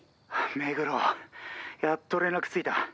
「目黒やっと連絡ついた」